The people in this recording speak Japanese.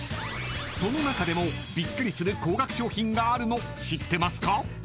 ［その中でもびっくりする高額商品があるの知ってますか？］